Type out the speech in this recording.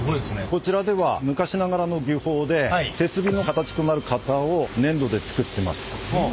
こちらでは昔ながらの技法で鉄瓶の形となる型を粘土で作ってます。